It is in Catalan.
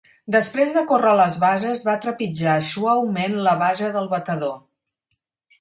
Després de córrer les bases, va trepitjar suaument la base del batedor.